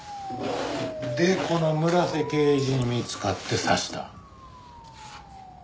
でこの村瀬刑事に見つかって刺した。